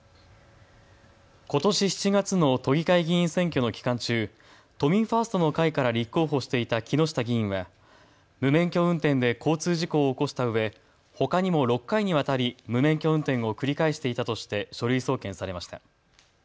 ことし７月の都議会議員選挙の期間中、都民ファーストの会から立候補していた木下議員は無免許運転で交通事故を起こしたうえほかにも６回にわたり無免許運転を繰り返していたとして書類送検されました。